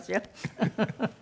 フフフフ。